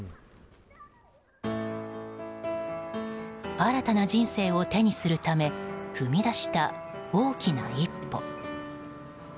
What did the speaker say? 新たな人生を手にするため踏み出した大きな一歩。